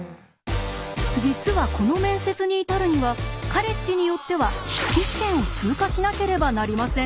実はこの面接に至るにはカレッジによっては筆記試験を通過しなければなりません。